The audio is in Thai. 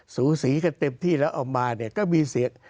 สูสีกันเต็มที่แล้วเอามาเนี่ยก็มีเสียง